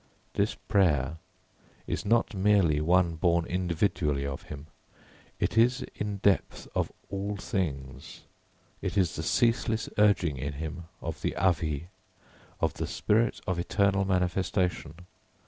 This prayer is not merely one born individually of him; it is in depth of all things, it is the ceaseless urging in him of the Āvih, of the spirit of eternal manifestation.